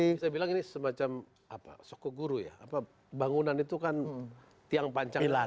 bisa bilang ini semacam sokoguru ya bangunan itu kan tiang panjang